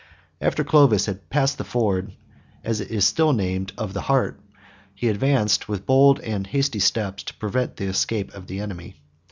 After Clovis had passed the ford, as it is still named, of the Hart, he advanced with bold and hasty steps to prevent the escape of the enemy.